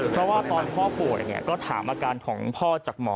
เพราะว่าตอนพ่อโผล่อย่างเนี่ยก็ถามอาการของพ่อจากหมอ